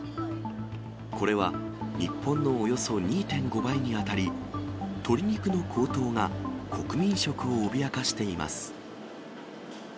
これは日本のおよそ２．５倍に当たり、鶏肉の高騰が、国民食を脅かしています。